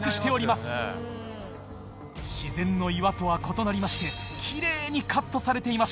自然の岩とは異なりましてキレイにカットされています。